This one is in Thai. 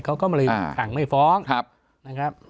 เขาก็มาเลยถังมาหน้าฟ้องครับ